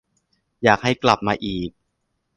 อยากให้กลับมาอีก